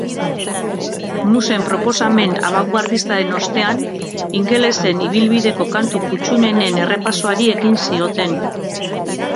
Musen proposamen abangoardistaren ostean, ingelesen ibilbideko kantu kuttunenen errepasoari ekin zioten.